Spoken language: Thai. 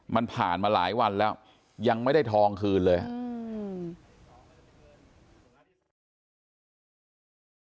มันผ่านมาหลายวันแล้วยังไม่ได้ทองคืนเลยครับ